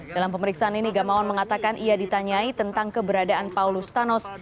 dalam pemeriksaan ini gamawan mengatakan ia ditanyai tentang keberadaan paulus thanos